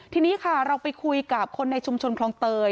ทีนี้ค่ะเราไปคุยกับคนในชุมชนคลองเตย